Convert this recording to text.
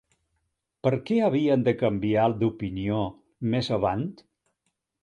Per què havien de canviar d’opinió més avant?